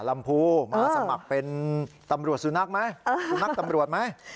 ลำพูมาสมัครเป็นตำรวจสุนัขไหมสุนัขตำรวจไหม